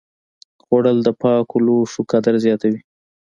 خوړل د پاکو لوښو قدر زیاتوي